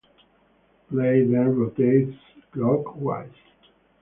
Play then rotates clockwise.